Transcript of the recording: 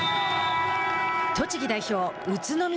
栃木代表